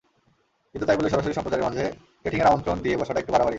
কিন্তু তাই বলে সরাসরি সম্প্রচারের মাঝে ডেটিংয়ের আমন্ত্রণ দিয়ে বসাটা একটু বাড়াবাড়িই।